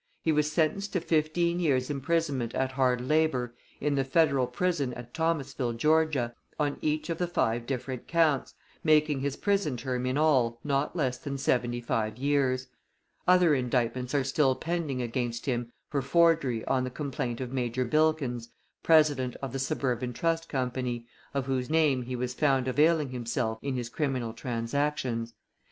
He was sentenced to fifteen years' imprisonment at hard labor in the Federal Prison at Thomasville, Georgia, on each of the five different counts, making his prison term in all not less than seventy five years. Other indictments are still pending against him for forgery on the complaint of Major Bilkins, president of the Suburban Trust Company, of whose name he was found availing himself in his criminal transactions.